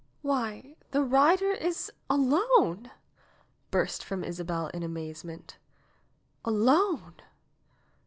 "Why, the rider is alone !" burst from Isabel in amaze ment. "Alone